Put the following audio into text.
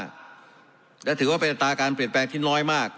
และถือว่าเป็นอัตราการเปลี่ยนแปลงที่น้อยมาก